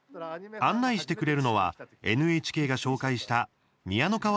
案内してくれるのはＮＨＫが紹介したみやのかわ